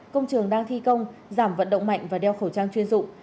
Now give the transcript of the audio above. công trường đang thi công giảm vận động mạnh và đeo khẩu trang chuyên dụng